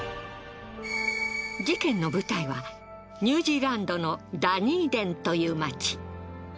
事件の舞台はニュージーランドのダニーデンという町。